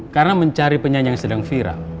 karena mencari penyanyi yang sedang viral